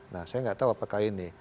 nah saya nggak tahu apakah ini